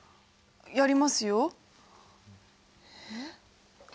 やりますよ。